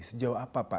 sejauh apa pak